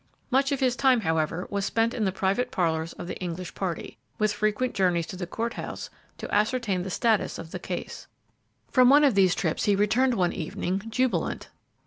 Much of his time, however, was spent in the private parlors of the English party, with frequent journeys to the court house to ascertain the status of the case. From one of these trips he returned one evening jubilant.